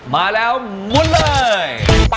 มาแล้วหมุนเลย